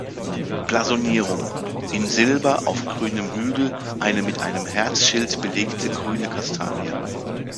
Blasonierung: „In Silber auf grünem Hügel eine mit einem Herzschild belegte grüne Kastanie.